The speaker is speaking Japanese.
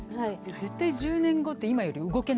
絶対１０年後って今より動けないですもんね。